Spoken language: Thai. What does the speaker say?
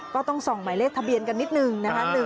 ก็ต้องส่องหมายเลขทะเบียนกันนิดนึงนะคะ